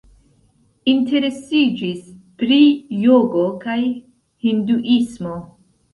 Interesiĝis pri jogo kaj hinduismo.